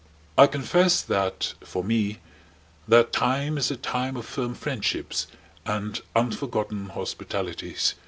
I confess that, for me, that time is the time of firm friendships and unforgotten hospitalities.